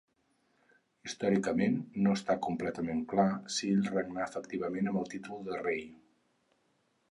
Històricament no està completament clar si ell regnà efectivament amb el títol de rei.